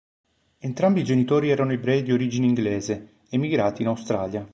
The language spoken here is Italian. Entrambi i genitori erano ebrei di origine inglese, emigrati in Australia.